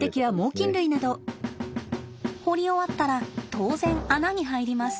掘り終わったら当然穴に入ります。